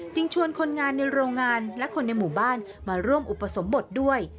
ชวนคนงานในโรงงานและคนในหมู่บ้านมาร่วมอุปสมบทด้วย